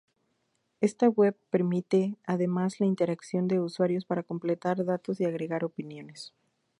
Esta web permite además la interacción de usuarios para completar datos y agregar opiniones.